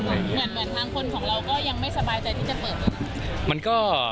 เหมือนทางคนของเราก็ยังไม่สบายใจที่จะเปิดเลย